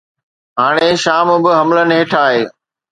هاڻي شام به حملن هيٺ آهي.